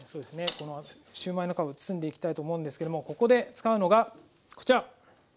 このシューマイの皮を包んでいきたいと思うんですけれどもここで使うのがこちら。